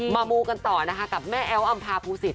มามูกันต่อนะคะกับแม่แอลอำภาภูสิต